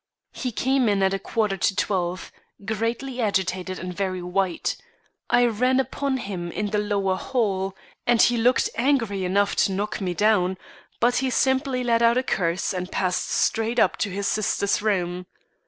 "He came in at a quarter to twelve, greatly agitated and very white. I ran upon him in the lower hall, and he looked angry enough to knock me down; but he simply let out a curse and passed straight up to his sister's room.